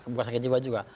bukan sakit jiwa juga